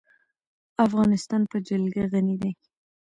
افغانستان په جلګه غني دی.